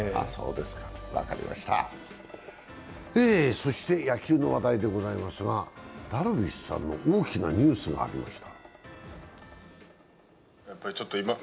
そして野球の話題でございますがダルビッシュさんの大きなニュースがありました。